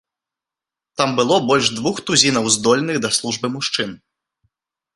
Там было больш двух тузінаў здольных да службы мужчын.